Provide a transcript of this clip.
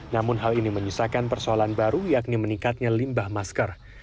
namun hal ini menyusahkan persoalan baru yakni meningkatnya limbah masker